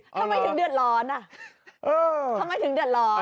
ทำไมถึงเดือดร้อนอ่ะทำไมถึงเดือดร้อน